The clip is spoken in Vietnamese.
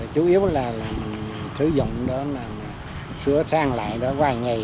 chủ yếu là sử dụng đó là sửa sang lại đó vài ngày